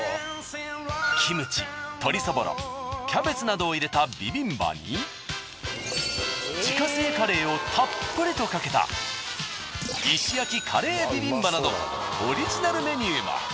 キムチ鶏そぼろキャベツなどを入れたビビンバに自家製カレーをたっぷりとかけた石焼カレービビンバなどオリジナルメニューも。